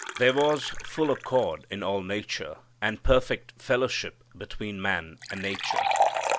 There was full accord in all nature, and perfect fellowship between man and nature.